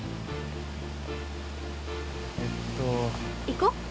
行こう